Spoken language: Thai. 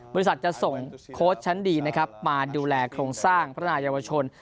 บริษัทจะส่งโค้ชชั้นดีนะครับมาดูแลโครงสร้างพัฒนายาวชน